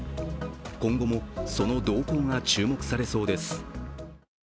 今後もその動向が注目されそうです。